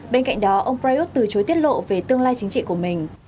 bên cạnh đó ông prayuth từ chối tiết lộ về tương lai chính trị của mình